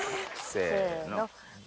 せの。